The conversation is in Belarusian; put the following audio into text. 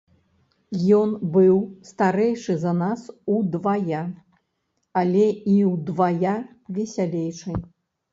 Ён быў старэйшы за нас удвая, але і ўдвая весялейшы.